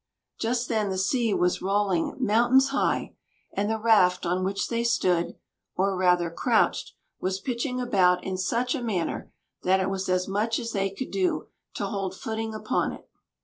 Just then the sea was rolling "mountains high," and the raft on which they stood or rather, crouched was pitching about in such a manner, that it was as much as they could do to hold footing upon it.